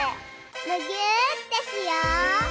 むぎゅーってしよう！